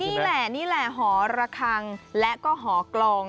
นี่แหละนี่แหละหอระคังและก็หอกลอง